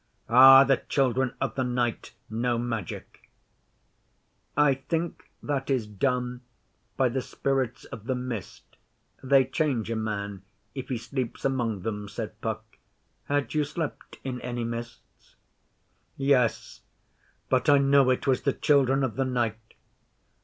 Ah! The Children of the Night know magic.' 'I think that is done by the Spirits of the Mist. They change a man, if he sleeps among them,' said Puck. 'Had you slept in any mists?' 'Yes but I know it was the Children of the Night.